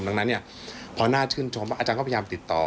ดังนั้นเนี่ยพอน่าชื่นชมอาจารย์ก็พยายามติดต่อ